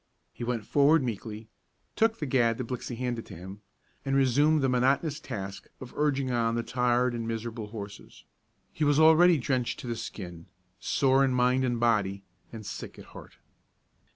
He went forward meekly, took the gad that Blixey handed to him, and resumed the monotonous task of urging on the tired and miserable horses. He was already drenched to the skin, sore in mind and body, and sick at heart.